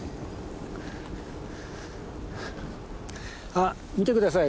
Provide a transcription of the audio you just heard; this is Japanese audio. あっ見て下さい。